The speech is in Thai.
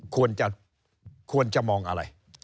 ควรจะควรจะมองอะไร